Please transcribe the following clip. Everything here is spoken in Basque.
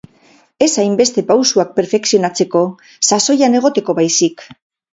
Ez hainbeste pausuak perfekzionatzeko, sasoian egoteko baizik.